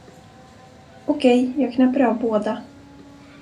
Okej, jag knäpper av båda.